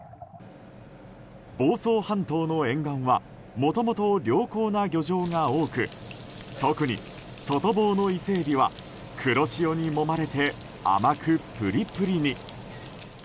房総半島の沿岸はもともと良好な漁場が多く特に外房のイセエビは黒潮にもまれて甘く、プリプリに。